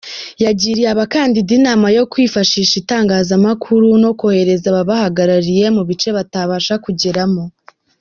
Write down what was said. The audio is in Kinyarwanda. Yagiriye abakandida inama yo kwifashisha itangazamakuru no kohereza ababahagarariye mu bice batabasha kugeramo.